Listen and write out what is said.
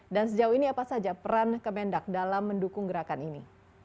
dan sejauh ini apa saja peran kemendak dalam mendukung gerakan ini